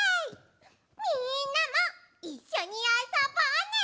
みんなもいっしょにあそぼうね！